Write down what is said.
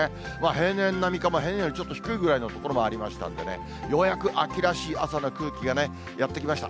平年並みか平年よりもちょっと低いくらいの所もありましたんでね、ようやく秋らしい秋の空気がやって来ました。